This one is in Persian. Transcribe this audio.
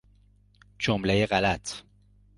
جملهی غلط